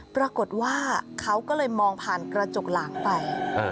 ปรากฏว่าเขาก็เลยมองผ่านกระจกหลังไป